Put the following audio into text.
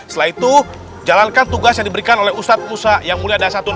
setelah itu jalankan tugas yang diberikan oleh ustadz musa yang mulyadah santun